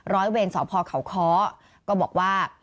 ร้อยเวรสพเขาค้อก็บอกว่า